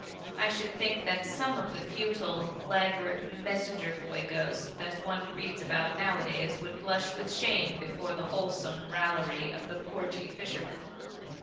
I should think that some of the futile, laggard messenger boy ghosts that one reads about nowadays would blush with shame before the wholesome raillery of the porgy fisherman.